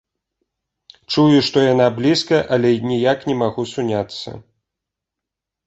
Чую, што яна блізка, але ніяк не магу суняцца.